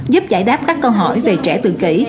giúp giải đáp các câu hỏi về trẻ tự kỷ